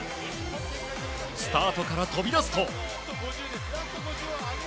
スタートから飛び出すと。